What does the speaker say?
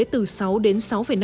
từ sáu đến sáu năm